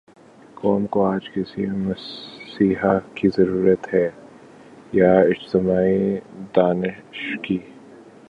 قوم کو آج کسی مسیحا کی ضرورت ہے یا اجتماعی دانش کی؟